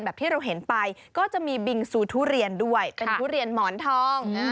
ที่เราเห็นไปก็จะมีบิงซูทุเรียนด้วยเป็นทุเรียนหมอนทอง